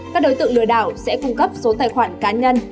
các đối tượng lừa đảo sẽ cung cấp số tài khoản cá nhân